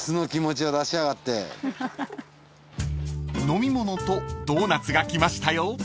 ［飲み物とドーナツが来ましたよ］